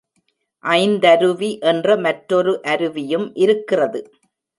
ஐந்தருவி என்ற மற்றொரு அருவியும் இருக்கிறது.